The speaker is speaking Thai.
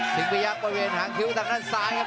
พยักษ์บริเวณหางคิ้วทางด้านซ้ายครับ